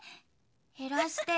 減らしてー。